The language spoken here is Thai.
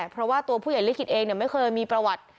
เพราะว่าตัวผู้ใหญ่ลิขิตเองไม่เคยมีประวัติ